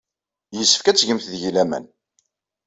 Yessefk ad tgemt deg-i laman.